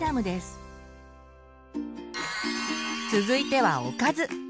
続いてはおかず。